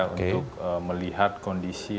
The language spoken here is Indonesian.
untuk melihat kondisi